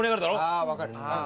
ああ分かる。